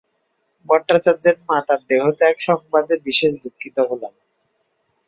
ভট্টাচার্যের মাতার দেহত্যাগ-সংবাদে বিশেষ দুঃখিত হলাম।